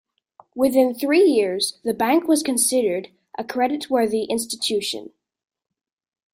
Within three years, the Bank was considered a creditworthy institution.